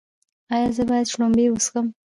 ایا زه باید شړومبې وڅښم؟